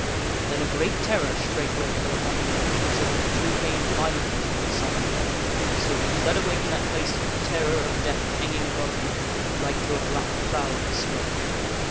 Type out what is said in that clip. Then a great terror straightway fell upon him, so The kn i g hts that he drew rein violently to one side. So he fled away jj^ *" from that place with the terror of death hanging above him k nights de like to a black cloud of smoke.